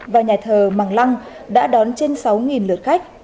và nhà thờ măng lăng đã đón trên sáu lượt khách